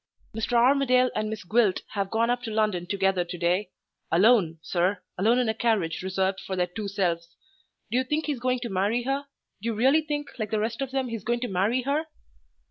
Mr. Armadale and Miss Gwilt have gone up to London together to day alone, sir alone in a carriage reserved for their two selves. Do you think he's going to marry her? Do you really think, like the rest of them, he's going to marry her?"